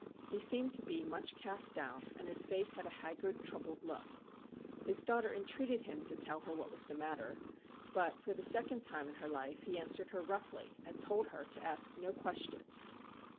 He seemed to be much cast down, and his face had a haggard, troubled look. His daughter entreated him to tell her what was the matter, but, for the second time in her life, he answered her roughly, and told her to ask no questions.